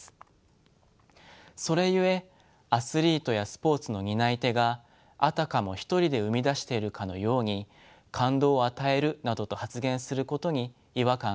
それゆえアスリートやスポーツの担い手があたかも一人で生み出しているかのように「感動を与える」などと発言することに違和感が生じるのでしょう。